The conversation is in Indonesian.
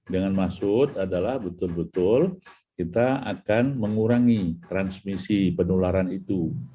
dengan maksud adalah betul betul kita akan mengurangi transmisi penularan itu